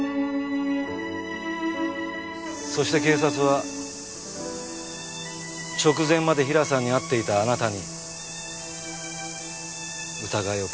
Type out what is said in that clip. そして警察は直前までヒラさんに会っていたあなたに疑いをかけた。